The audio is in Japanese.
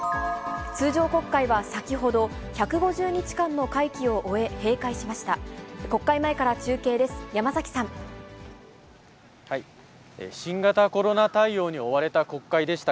通常国会は先ほど、１５０日間の会期を終え、閉会しました。